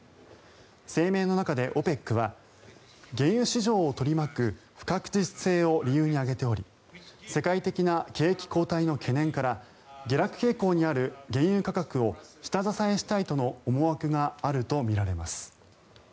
声明の中でＯＰＥＣは原油市場を取り巻く不確実性を理由に挙げており世界的な景気後退の懸念から下落傾向にある原油価格を下支えしたいとの思惑があるとみられます。